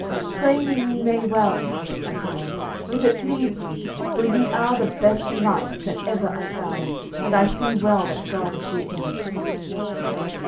"Slay me ye may well," said Accolon, "if it please you, for ye are the best knight that ever I found, and I see well that God is with you."